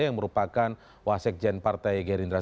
yang merupakan wasekjen partai gerindra ferry juliantono